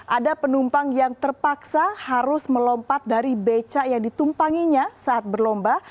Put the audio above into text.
ada penumpang yang terpaksa harus melompat dari becak yang ditumpanginya saat berlomba